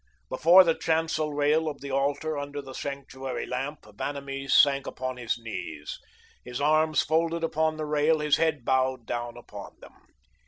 Before the chancel rail of the altar, under the sanctuary lamp, Vanamee sank upon his knees, his arms folded upon the rail, his head bowed down upon them.